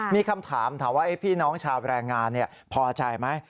มีคำถามถามว่าพี่น้องชาวแรงงานพอใจไหม